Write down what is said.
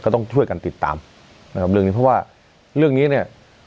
ต้องช่วยกันติดตามนะครับเรื่องนี้เพราะว่าเรื่องนี้เนี่ย